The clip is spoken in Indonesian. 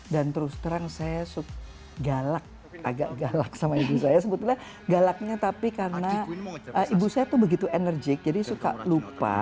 dan terus terang saya galak agak galak sama ibu saya sebetulnya galaknya tapi karena ibu saya begitu enerjik jadi suka lupa